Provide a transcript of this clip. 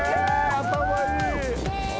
頭いいな。